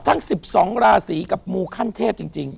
ทั้ง๑๒ราศีกับมูขั้นเทพจริง